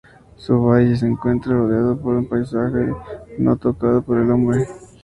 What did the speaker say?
Su valle se encuentra rodeado por un paisaje no tocado por el hombre.